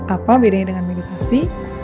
apa bedanya dengan meditasi